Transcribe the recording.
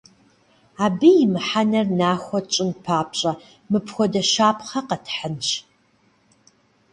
Абы и мыхьэнэр нахуэ тщыхъун папщӏэ, мыпхуэдэ щапхъэ къэтхьынщ.